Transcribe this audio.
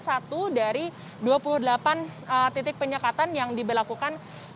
satu dari dua puluh delapan titik penyekatan yang diberlakukan